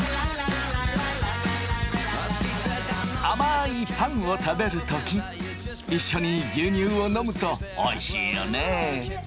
甘いパンを食べる時一緒に牛乳を飲むとおいしいよね。